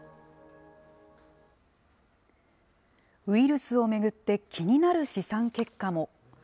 ウイルスを巡って気になる試算結果も。